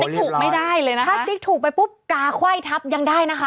ถูกไม่ได้เลยนะคะถ้าติ๊กถูกไปปุ๊บกาไขว้ทับยังได้นะคะ